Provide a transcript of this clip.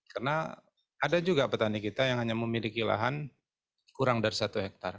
karena ada juga petani kita yang hanya memiliki lahan kurang dari satu hektar